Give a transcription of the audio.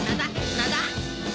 何だ？